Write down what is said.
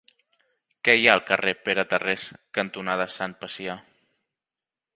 Què hi ha al carrer Pere Tarrés cantonada Sant Pacià?